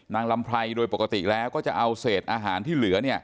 ลำไพรโดยปกติแล้วก็จะเอาเศษอาหารที่เหลือ